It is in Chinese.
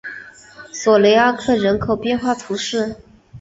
索雷阿克人口变化图示